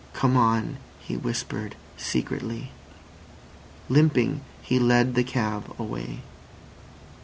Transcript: "Come on," he whispered secretly. Limping, he led the cab away.